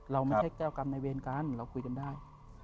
เราไม่ใช่แก้วกรรมในเวรกันเราคุยกันได้